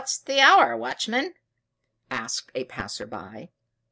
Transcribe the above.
"What's the hour, watchman?" asked a passer by.